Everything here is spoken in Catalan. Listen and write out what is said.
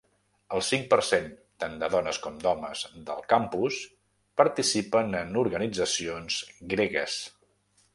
El cinc per cent tant de dones com d'homes del campus participen en organitzacions gregues.